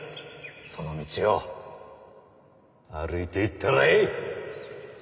その道を歩いていったらえい！